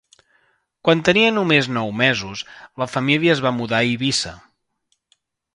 Quan tenia només nou mesos, la família es va mudar a Eivissa.